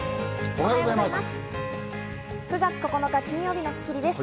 おはようございます。